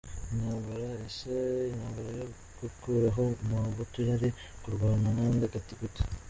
Intambara, ese intambara yo gukuraho Mobutu yari kurwanwa nande kandi gute?